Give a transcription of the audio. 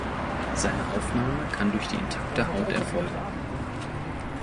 Seine Aufnahme kann durch die intakte Haut erfolgen.